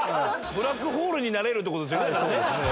ブラックホールになれるっていうことですよね。